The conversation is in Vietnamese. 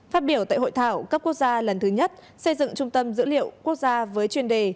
phát biểu tại hội thảo cấp quốc gia lần thứ nhất xây dựng trung tâm dữ liệu quốc gia với chuyên đề